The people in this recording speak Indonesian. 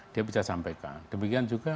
dia bisa sampaikan demikian juga